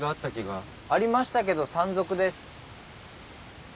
ありましたけど山賊です。